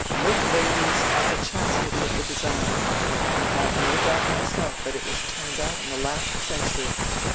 Look, ladies, at the chastity of the design—I have no doubt myself that it was turned out in the last century!